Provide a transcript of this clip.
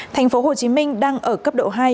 tp hcm đang ở cấp độ hai